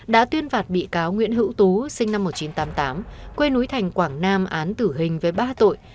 đã tuyên phạt bị cáo nguyễn hữu tú sinh năm một nghìn chín trăm tám mươi tám quê núi thành quảng nam án tử hình với ba tội